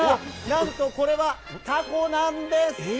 なんとこれは、たこなんです。